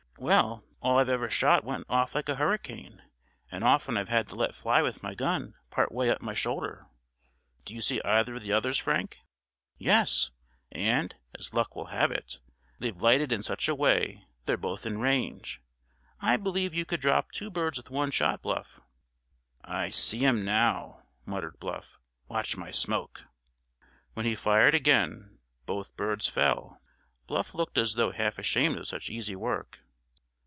"Well, all I've ever shot went off like a hurricane; and often I've had to let fly with my gun part way up to my shoulder. Do you see either of the others, Frank?" "Yes, and, as luck will have it, they've lighted in such a way that they're both in range. I believe you could drop two birds with one shot, Bluff." "I see 'em now," muttered Bluff. "Watch my smoke." When he fired again both birds fell. Bluff looked as though half ashamed of such easy work.